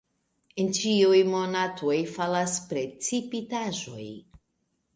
En ĉiuj monatoj falas precipitaĵoj.